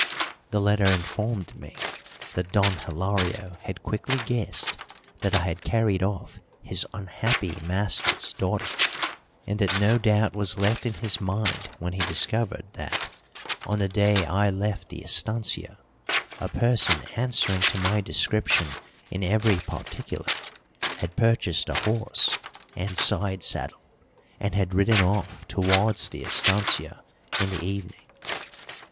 The letter informed me that Don Hilario had quickly guessed that I had carried off his unhappy master's daughter, and that no doubt was left in his mind when he discovered that, on the day I left the estancia, a person answering to my description in every particular had purchased a horse and side saddle and had ridden off towards the estancia in the evening.